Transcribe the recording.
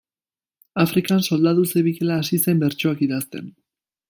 Afrikan soldadu zebilela hasi zen bertsoak idazten.